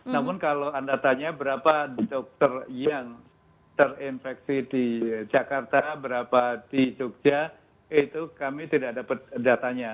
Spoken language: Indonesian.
namun kalau anda tanya berapa dokter yang terinfeksi di jakarta berapa di jogja itu kami tidak dapat datanya